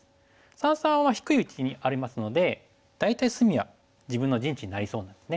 三々は低い位置にありますので大体隅は自分の陣地になりそうなんですね。